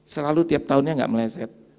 selalu tiap tahunnya tidak meleset